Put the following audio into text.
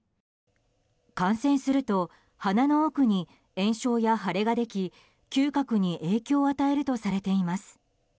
感染すると、鼻の奥に炎症や腫れができ嗅覚に影響を与えるとされています。